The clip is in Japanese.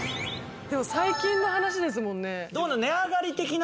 最近の話ですもんね。